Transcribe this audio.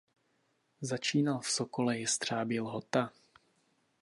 Začínal v Sokole Jestřabí Lhota.